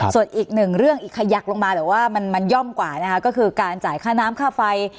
ส่วนอีกหนึ่งเรื่องอีกขยักลงมาแต่ว่ามันย่อมกว่านะคะก็คือการจ่ายค่าน้ำค่าไฟ